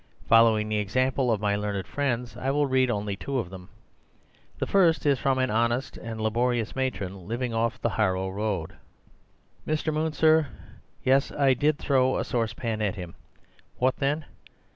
Following the example of my learned friends I will read only two of them. The first is from an honest and laborious matron living off the Harrow Road. "Mr. Moon, Sir,—Yes, I did throw a sorsepan at him. Wot then?